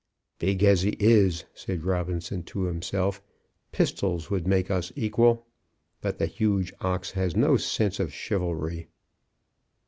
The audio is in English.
"Big as he is," said Robinson to himself, "pistols would make us equal. But the huge ox has no sense of chivalry."